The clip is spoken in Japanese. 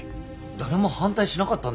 誰も反対しなかったんですかね？